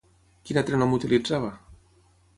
Quin altre nom utilitzava?